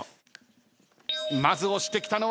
まず押してきたのは西田さん。